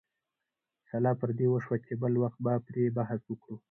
سلا پر دې وشوه چې بل وخت به پرې بحث وکړو.